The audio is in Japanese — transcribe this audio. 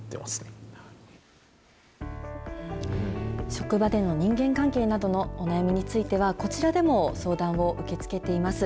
職場での人間関係などのお悩みについては、こちらでも相談を受け付けています。